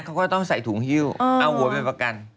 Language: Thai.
เขาก็ต้องใส่ถุงฮิ้วเอาผัวอีกขึ้น